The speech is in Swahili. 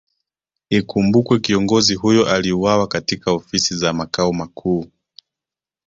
Ikumbukwe kiongozi huyo aliuwawa katika Ofisi za Makao Makuu